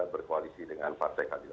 berkoalisi dengan pak tkd